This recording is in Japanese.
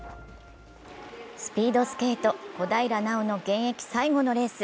スピードスケート・小平奈緒の現役最後のレース。